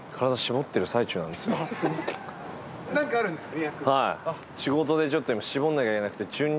何かあるんですね？